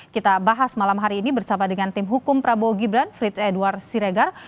kita bahas malam hari ini bersama dengan tim hukum prabowo gibran frits edward siregar